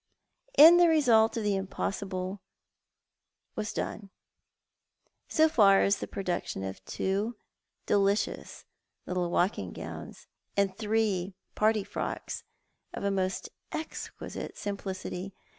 In the result tlie impossible was done, so far as the production of two delicious little walking gowns and three party frocks, of a most exquisite simplicity.